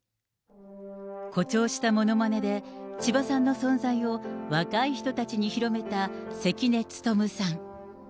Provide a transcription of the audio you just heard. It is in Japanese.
誇張したものまねで千葉さんの存在を若い人たちに広めた、関根勤さん。